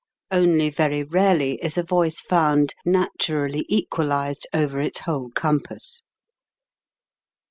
Only very rarely is a voice found naturally equalized over its whole compass.